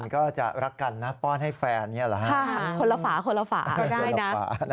ค่ะคนละฝาคนละฝาก็ได้นะ